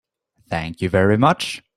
Thank you very much.